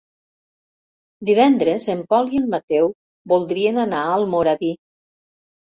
Divendres en Pol i en Mateu voldrien anar a Almoradí.